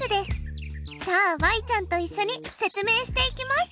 さあちゃんといっしょに説明していきます。